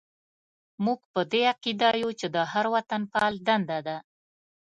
موږ په دې عقیده یو چې د هر وطنپال دنده ده.